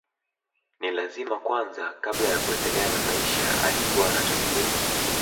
Ni lazima kwanza kabla ya kuendelea na maisha alikuwa anatakiwa